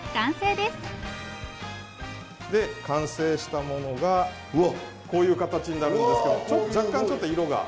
で完成したものがこういう形になるんですけど若干ちょっと色が。